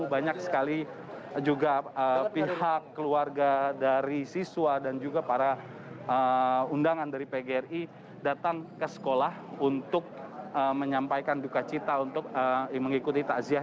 dan banyak sekali juga pihak keluarga dari siswa dan juga para undangan dari pgri datang ke sekolah untuk menyampaikan duka cita untuk mengikuti takziah